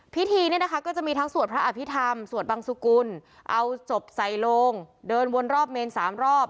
พิธีเนี่ยนะคะก็จะมีทั้งสวดพระอภิษฐรรมสวดบังสุกุลเอาศพใส่โลงเดินวนรอบเมนสามรอบ